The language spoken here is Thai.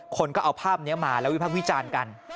คนก็เอาภาพนี้มาแล้ววิพักษ์วิจารณ์กัน